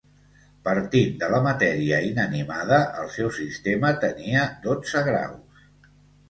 Partint de la matèria inanimada el seu sistema tenia dotze graus.